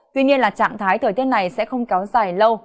tuy nhiên là trạng thái thời tiết này sẽ không kéo dài lâu